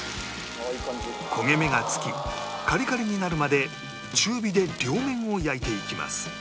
焦げ目が付きカリカリになるまで中火で両面を焼いていきます